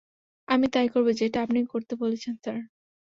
আমি তাই করব যেটা আপনি করতে বলেছেন, স্যার।